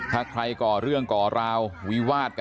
ถ้าใครก่อเรื่องก่อราววิวาดกัน